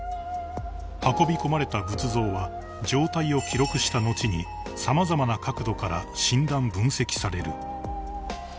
［運び込まれた仏像は状態を記録した後に様々な角度から診断分析される］